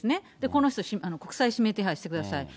この人、国際指名手配してください。